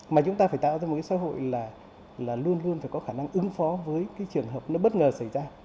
mà chúng ta phải tạo ra một cái xã hội là luôn luôn phải có khả năng ứng phó với cái trường hợp nó bất ngờ xảy ra